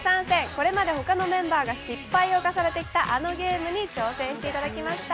これまで他のメンバーが失敗を重ねてきたあのゲームに挑戦していただきました。